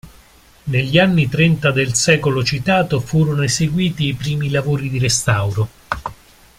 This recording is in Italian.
Negli anni trenta del secolo citato furono eseguiti i primi lavori di restauro.